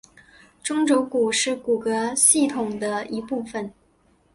中轴骨是骨骼系统的一部分。